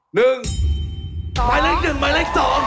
หมายเลขหนึ่งหมายเลขสอง